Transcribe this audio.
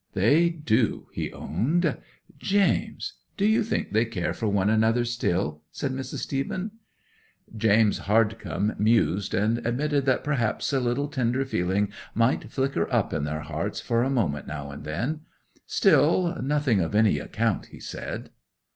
'"They do," he owned. '"James—do you think they care for one another still?" asks Mrs. Stephen. 'James Hardcome mused and admitted that perhaps a little tender feeling might flicker up in their hearts for a moment now and then. "Still, nothing of any account," he said.